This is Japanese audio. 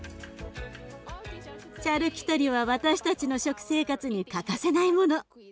シャルキュトリは私たちの食生活に欠かせないもの。